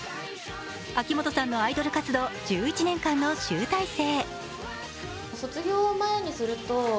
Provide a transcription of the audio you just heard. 秋元さんのアイドル活動１１年間の集大成。